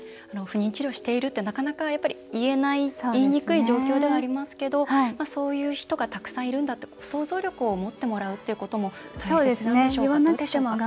不妊治療しているってなかなか、やっぱり言えない言いにくい状況ではありますけどそういう人がたくさんいるんだって想像力を持ってもらうっていうことも大切なんでしょうか。